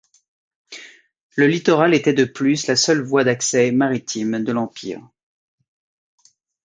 Le Littoral était de plus la seule voie d'accès maritime de l'empire.